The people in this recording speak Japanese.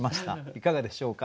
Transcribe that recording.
いかがでしょうか？